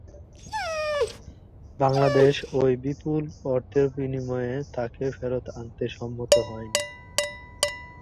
বাংলাদেশ ওই বিপুল অর্থের বিনিময়ে তাকে ফেরত আনতে সম্মত হয়নি।